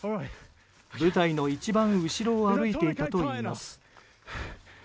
部隊の一番後ろを歩いていたといいます。